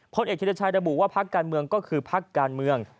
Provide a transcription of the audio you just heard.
เอกธิรชัยระบุว่าพักการเมืองก็คือพักการเมือง